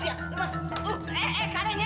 eh eh eh kanan ya